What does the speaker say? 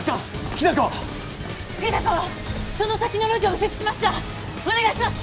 日高はその先の路地を右折しましたお願いします